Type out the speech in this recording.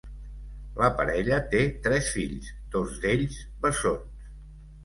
La parella té tres fills, dos d’ells bessons.